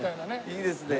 いいですね